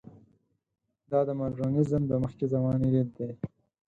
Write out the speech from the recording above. دا د مډرنیزم د مخکې زمانې لید دی.